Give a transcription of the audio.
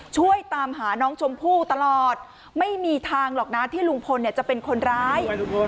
ช่วยตามหาน้องชมพู่ตลอดไม่มีทางหรอกนะที่ลุงพลจะเป็นคนร้าย